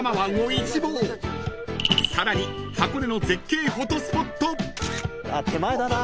［さらに箱根の絶景フォトスポット］